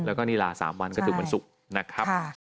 แล้วก็นี่ลา๓วันก็ถึงวันศุกร์นะครับ